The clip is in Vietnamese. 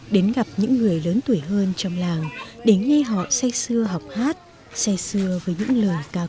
đến gặp những người lớn tuổi hơn trong làng đến nghe họ say sưa học hát say sưa với những lời ca cổ